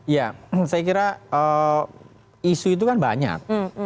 ya saya kira isu itu kan banyak